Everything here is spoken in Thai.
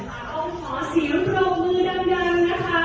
เป็นข้อชอบคุณสามผู้กู